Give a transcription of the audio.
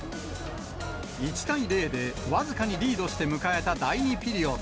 １対０で僅かにリードして迎えた第２ピリオド。